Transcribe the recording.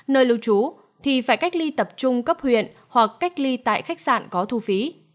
nơi lưu trú thì phải cách ly tập trung cấp huyện hoặc cách ly tại khách sạn có thu phí